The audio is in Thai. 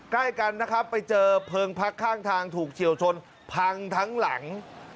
ใกล้กันนะครับไปเจอเพลิงพักข้างทางถูกเฉียวชนพังทั้งหลัง